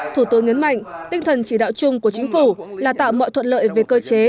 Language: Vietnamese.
thủ tướng nhấn mạnh tinh thần chỉ đạo chung của chính phủ là tạo mọi thuận lợi về cơ chế